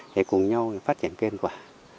để cùng nhau phát triển kinh quả